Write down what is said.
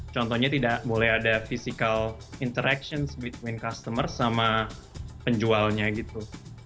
contohnya tidak boleh ada physical interaction between customer sama penjualnya gitu